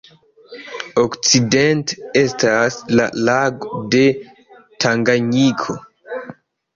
Okcidente estas la lago de Tanganjiko.